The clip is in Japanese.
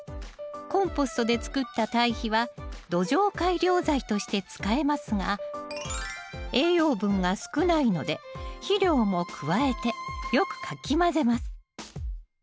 コンポストでつくった堆肥は土壌改良材として使えますが栄養分が少ないので肥料も加えてよくかき混ぜます。